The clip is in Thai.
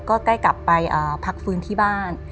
ใกล้กลับไปพักฟื้นที่บ้าน